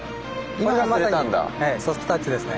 今まさにソフトタッチですね。